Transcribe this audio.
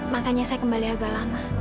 makanya saya kembali agak lama